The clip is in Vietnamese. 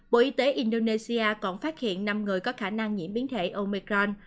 bộ y tế indonesia còn phát hiện năm người có khả năng nhiễm biến thể omecron